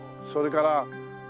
それから。